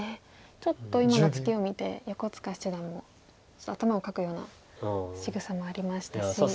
ちょっと今のツケを見て横塚七段も頭をかくようなしぐさもありましたし。